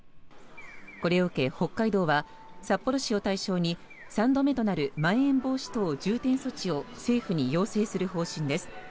これを受け、北海道は札幌市を対象に３度目となるまん延防止等重点措置を政府に要請する方針です。